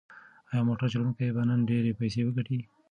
ایا موټر چلونکی به نن ډېرې پیسې وګټي؟